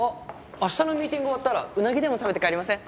明日のミーティング終わったらうなぎでも食べて帰りません？